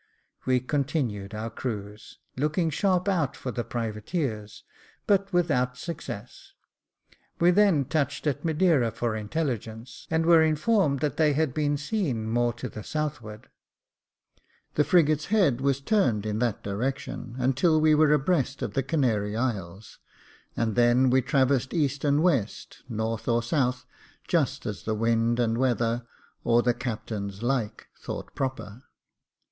We continued our cruise, looking sharp out for the privateers, but without success ; we then touched at Madeira for intelligence, and were informed that they had been seen more to the southward. The frigate's head was turned in that direction until we were abreast of the Canary Isles, and then we traversed east and west, north or south, just as the wind and weather, or the captain's /ike thought proper.